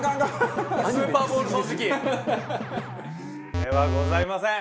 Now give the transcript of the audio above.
ではございません。